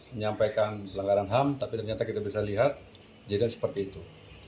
menyampaikan pelanggaran ham tapi ternyata kita bisa lihat jadinya seperti itu